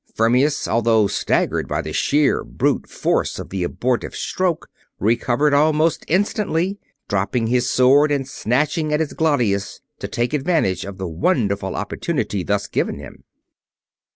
Fermius, although staggered by the sheer brute force of the abortive stroke, recovered almost instantly; dropping his sword and snatching at his gladius to take advantage of the wonderful opportunity thus given him.